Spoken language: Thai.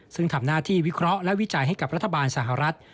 ซึ่งทำหน้าที่วิเคราะห์และวิจัยให้กับรัฐบาลสหรัฐ